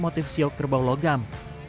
motif syok kerbau logam